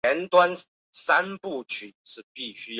拉斯特鲁普是德国下萨克森州的一个市镇。